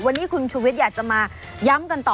วันนี้คุณชุวิตอยากจะมาย้ำกันต่อ